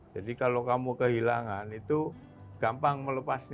jadi kalau kamu kehilangan itu gampang melepaskan